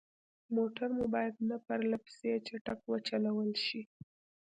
موټر مو باید نه پرلهپسې چټک وچلول شي.